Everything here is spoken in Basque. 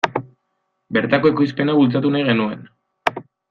Bertako ekoizpena bultzatu nahi genuen.